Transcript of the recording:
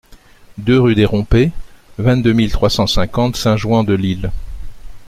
deux rue des Rompées, vingt-deux mille trois cent cinquante Saint-Jouan-de-l'Isle